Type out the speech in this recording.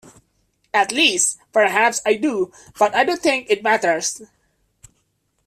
At least, perhaps I do, but I don't think it matters.